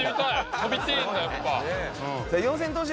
飛びたいんだやっぱ。